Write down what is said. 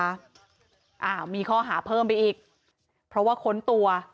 อ้าวมีข้อหาเพิ่มไปอีกเพราะว่าค้นตัว